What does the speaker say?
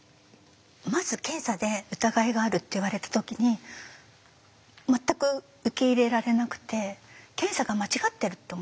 まず検査で「疑いがある」って言われた時に全く受け入れられなくて検査が間違ってるって思ったんですね。